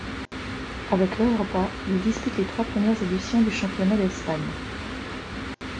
Avec l'Europa, il dispute les trois premières éditions du championnat d'Espagne.